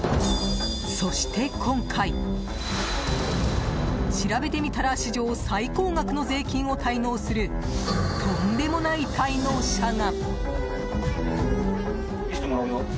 そして今回、しらべてみたら史上最高額の税金を滞納するとんでもない滞納者が。